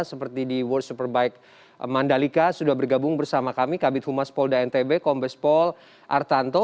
seperti di world superbike mandalika sudah bergabung bersama kami kabit humas pol dan ntb kombes pol artanto